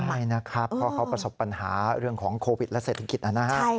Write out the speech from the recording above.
ใช่นะครับเพราะเขาประสบปัญหาเรื่องของโควิดและเศรษฐกิจนะฮะ